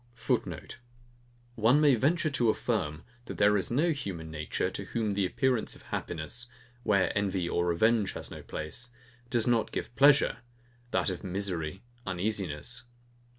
[Footnote: One may venture to affirm, that there is no human nature, to whom the appearance of happiness (where envy or revenge has no place) does not give pleasure, that of misery, uneasiness.